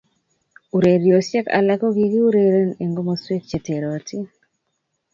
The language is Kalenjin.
Urerioshe alak ko kikiureren eng komosweek che terotin.